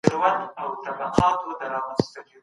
اپیکور د مرګ په اړه ډېرې فلسفي خبرې کړې وې.